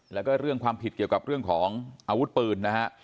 แล้วก็เรื่องความผิดเกี่ยวกับเรื่องของอาวุธปืนนะฮะ